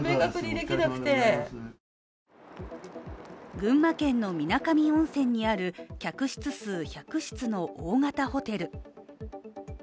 群馬県の水上温泉にある客室数１００室の大型ホテル。